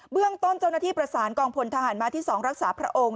เรื่องต้นเจ้าหน้าที่ประสานกองพลทหารมาที่๒รักษาพระองค์